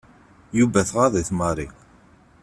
Yuba tɣaḍ-it Mary.